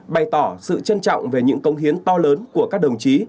bày tỏ sự trân trọng về những công hiến to lớn của các đồng chí